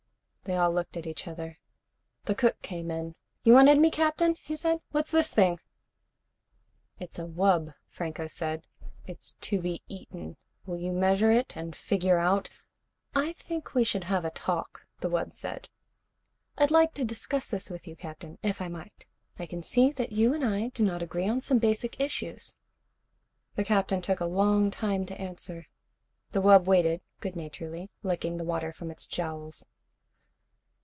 They all looked at each other. The cook came in. "You wanted me, Captain?" he said. "What's this thing?" "This is a wub," Franco said. "It's to be eaten. Will you measure it and figure out " "I think we should have a talk," the wub said. "I'd like to discuss this with you, Captain, if I might. I can see that you and I do not agree on some basic issues." The Captain took a long time to answer. The wub waited good naturedly, licking the water from its jowls.